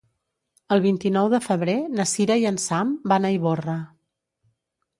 El vint-i-nou de febrer na Cira i en Sam van a Ivorra.